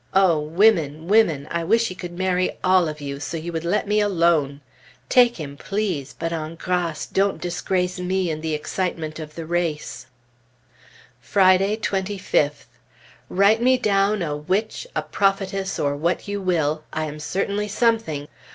O women women! I wish he could marry all of you, so you would let me alone! Take him, please; but en grâce don't disgrace me in the excitement of the race!" Friday, 25th. Write me down a witch, a prophetess, or what you will. I am certainly something!